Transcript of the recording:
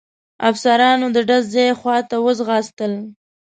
افسرانو د ډز ځای خواته وځغستل.